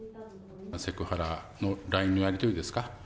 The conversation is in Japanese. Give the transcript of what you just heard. セクハラのＬＩＮＥのやり取りですか？